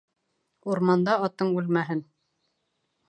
Урманда атың үлмәһен